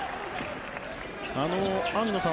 網野さん